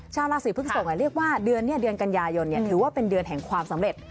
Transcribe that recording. ชาวราศีพฤกษกเรียกว่าเดือนนี้เดือนกันยายนถือว่าเป็นเดือนแห่งความสำเร็จ